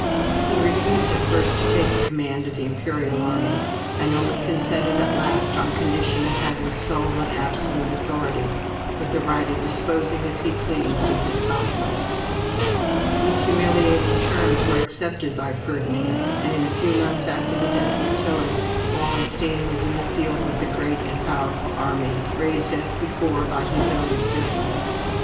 He refused at first to take the command of the imperial army, and only consented at last on condition of having sole and absolute authority, with the right of disposing as he pleased of his conquests. These humiliating terms were accepted by Ferdinand, and in a few months after the death of Tilly, Wallenstein was in the field with a large and powerful army, raised, as before, by his own exertions.